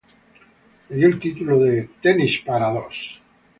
Le dio el título de "Tennis for Two".